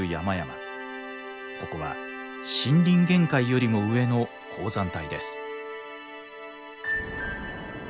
ここは森林限界よりも上の高山帯です。